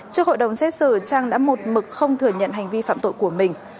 trước hội đồng xét xử trang đã một mực không thừa nhận hành vi phạm tội của mình